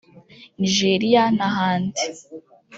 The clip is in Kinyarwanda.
Nigeria n’ahandi